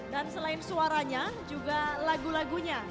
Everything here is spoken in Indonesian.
dan selain suaranya juga lagu lagunya